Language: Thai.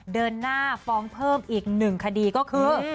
เดินหน้าฟ้องเพิ่มอีก๑คดีก็คือ